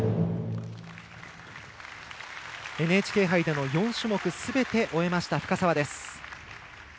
ＮＨＫ杯での４種目すべて終えました深沢です。